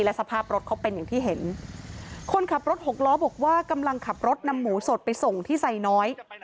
สภาพรถเขาเป็นอย่างที่เห็นคนขับรถหกล้อบอกว่ากำลังขับรถนำหมูสดไปส่งที่ไซน้อย